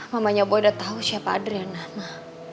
mamanya boy udah tahu siapa riana ma